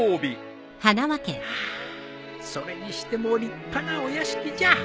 ハアそれにしても立派なお屋敷じゃ。